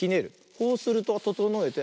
こうするとととのえて。